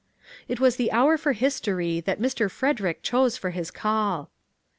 It was the hour for history that Mr. Fred erick chose for his call.